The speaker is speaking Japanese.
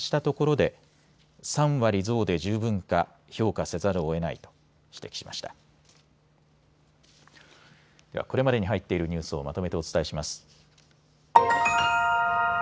ではこれまでに入っているニュースをまとめてお伝えします。